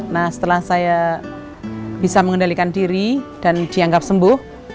nah setelah saya bisa mengendalikan diri dan dianggap sembuh